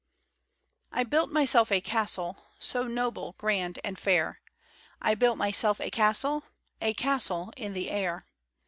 J BUILT myself a castle, So noble, grand and fair; I built myself a castle, A castle — in the air. A CASTLE IN THE AIR.